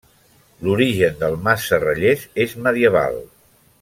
L'origen del Mas Serrallers és medieval.